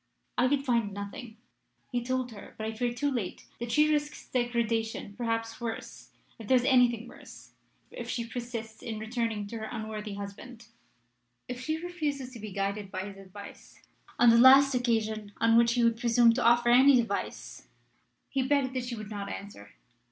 I could find nothing. He told her, but I fear too late, that she risks degradation perhaps worse, if there is anything worse if she persists in returning to her unworthy husband. If she refuses to be guided by his advice, on the last occasion on which he would presume to offer any device, he begged that she would not answer.